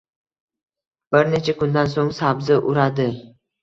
Bir necha kundan so‘ng sabza uradi